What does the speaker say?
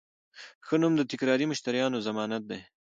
ښه نوم د تکراري مشتریانو ضمانت دی.